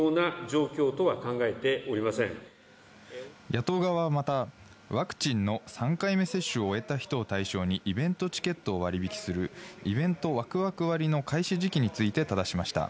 野党側はまた、ワクチンの３回目接種を終えた人を対象にイベントチケット割引するイベントワクワク割の開始時期について質しました。